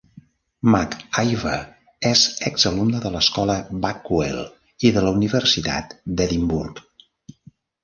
McIver és exalumne de l'Escola Backwell i de la Universitat d'Edimburg.